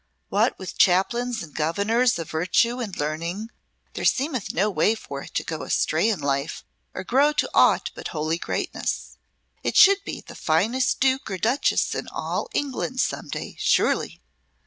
What with chaplains and governors of virtue and learning, there seemeth no way for it to go astray in life or grow to aught but holy greatness. It should be the finest duke or duchess in all England some day, surely."